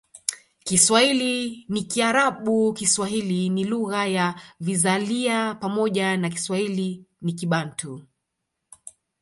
Kiswahili ni Kiarabu Kiswahili ni lugha ya vizalia pamoja na Kiswahili ni Kibantu